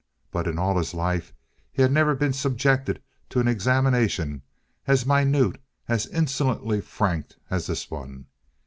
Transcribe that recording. But in all his life he had never been subjected to an examination as minute, as insolently frank as this one.